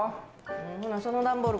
ほなその段ボール